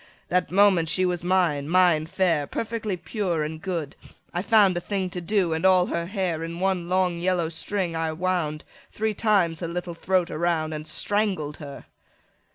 35 That moment she was mine, mine, fair, Perfectly pure and good: I found A thing to do, and all her hair In one long yellow string I wound Three times her little throat around, 40 And strangled her.